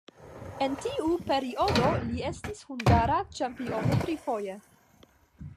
En tiu periodo li estis hungara ĉampiono trifoje.